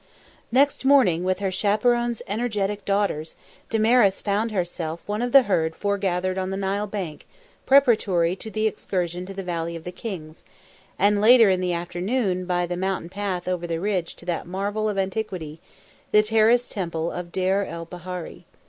Next morning, with her chaperon's energetic daughters, Damaris found herself one of the herd foregathered on the Nile bank preparatory to the excursion to the Valley of the Kings, and later in the afternoon by mountain path over the ridge to that marvel of antiquity the Terrace Temple of Deir el Bahari.